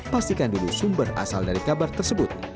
pastikan dulu sumber asal dari kabar tersebut